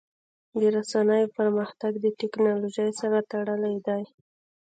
د رسنیو پرمختګ د ټکنالوژۍ سره تړلی دی.